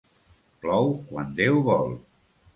Plou quan Déu vol.